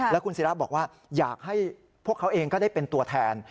แล้วคุณศิราบอกว่าอยากให้พวกเขาเองก็ได้เป็นตัวแทน